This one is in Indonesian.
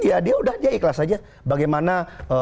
ya dia sudah ikhlas saja bagaimana